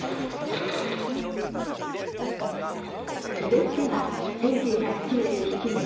続いては１９９７年。